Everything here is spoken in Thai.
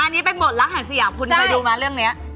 อันนี้เป็นบทรักแห่งสยามคุณเคยดูไหมเรื่องนี้